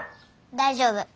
大丈夫。